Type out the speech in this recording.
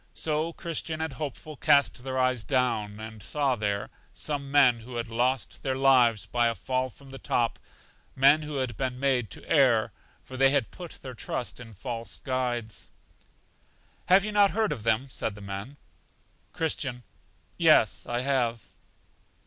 So Christian and Hopeful cast their eyes down, and saw there some men who had lost their lives by a fall from the top; men who had been made to err, for they had put their trust in false guides. Have you not heard of them? said the men. Christian. Yes, I have.